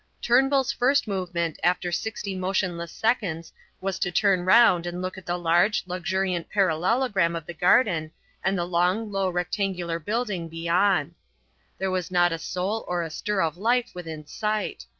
Turnbull's first movement after sixty motionless seconds was to turn round and look at the large, luxuriant parallelogram of the garden and the long, low rectangular building beyond. There was not a soul or a stir of life within sight.